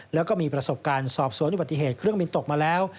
แล้วก็มีประสบการณ์สอบสวนอุบัติเหตุเครื่องบินตกมาแล้ว